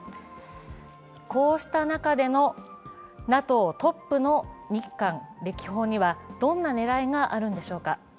こうした中でのＮＡＴＯトップの日韓歴訪にはどんな狙いがあるのでしょうか。